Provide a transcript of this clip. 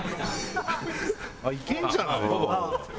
いけるんじゃない？